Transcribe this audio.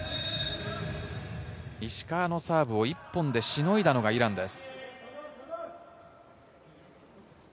石川のサーブを一本でしのいだのがイランです。